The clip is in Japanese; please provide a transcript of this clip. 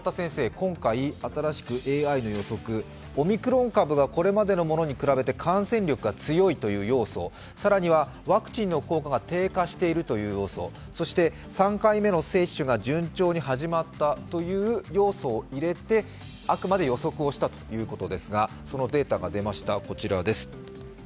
今回、新しくＡＩの予測オミクロン株がこれまでのものに比べて感染力が強いという要素、さらにはワクチンの効果が低下しているという要素、そして３回目の接種が順調に始まったという要素を入れてあくまで予測をしたということですがそのデータが出ました。